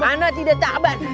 anak tidak takban